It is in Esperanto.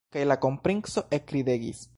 Kaj la kronprinco ekridegis.